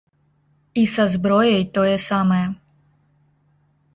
І са зброяй тое самае.